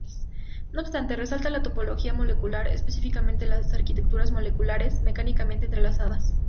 No obstante, resalta la topología molecular, específicamente las arquitecturas moleculares mecánicamente entrelazadas.